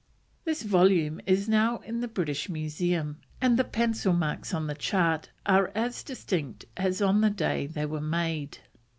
This volume is now in the British Museum, and the pencil marks on the chart are as distinct as on the day they were made.